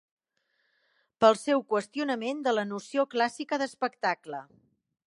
Pel seu qüestionament de la noció clàssica d'espectacle